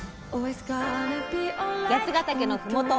八ヶ岳のふもと